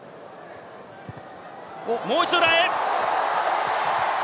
もう一度、裏へ！